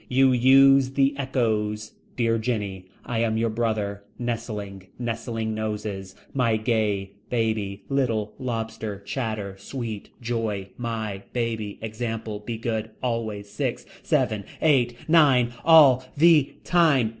You use the echoes. Dear Jenny. I am your brother. Nestling. Nestling noses. My gay. Baby. Little. Lobster. Chatter. Sweet. Joy. My. Baby. Example. Be good. Always. Six. Seven. Eight. Nine. All. The. Time.